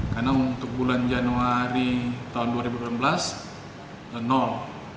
karena untuk bulan januari tahun dua ribu delapan belas nol